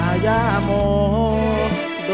ไม่ใช้ครับไม่ใช้ครับ